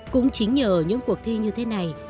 cũng chính nhờ những cuộc thi như thế này